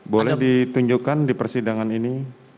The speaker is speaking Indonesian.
boleh ditunjukkan di persidangan ini